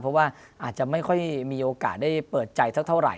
เพราะว่าอาจจะไม่ค่อยมีโอกาสได้เปิดใจเท่าไหร